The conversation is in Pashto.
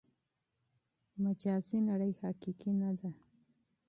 مجازي نړۍ حقیقي نه ده.